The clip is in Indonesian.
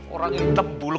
orang hitam buluk